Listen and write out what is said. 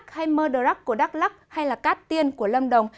hay mơ đờ rắc của đắk lắc hay là cát tiên của lâm đồng